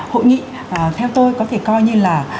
hội nghị theo tôi có thể coi như là